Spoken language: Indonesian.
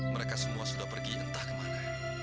mereka semua sudah pergi entah ke mana